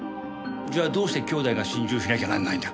じゃあどうして姉弟が心中しなきゃならないんだ？